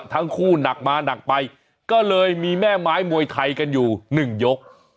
ทั้งคู่หนักมาหนักไปก็เลยมีแม่ไม้มวยไทยกันอยู่หนึ่งยก